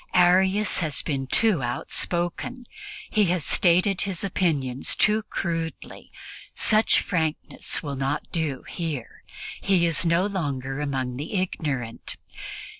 Arius has been too outspoken. He has stated his opinions too crudely; such frankness will not do here; he is no longer among the ignorant.